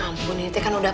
nkeraini kullanya nweth